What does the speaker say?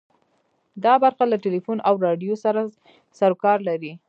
دا برخه له ټلیفون او راډیو سره سروکار لري.